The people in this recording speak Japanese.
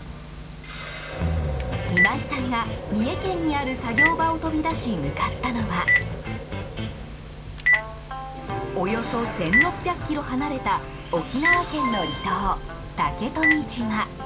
今井さんが三重県にある作業場を飛び出し、向かったのはおよそ１６００ｋｍ離れた沖縄県の離島・竹富島。